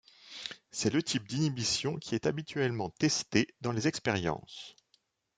C’est le type d’inhibition qui est habituellement testée dans les expériences.